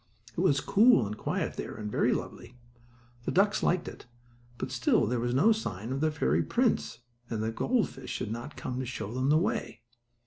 It was cool and quiet there, and very lovely. The ducks liked it, but still there was no sign of the fairy prince; and the gold fish had not come to show them the way.